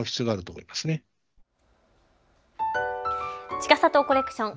ちかさとコレクション。